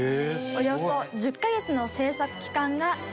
およそ１０カ月の制作期間が必要です。